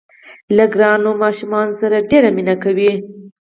له ګرانو بچیانو سره ډېره مینه کوي.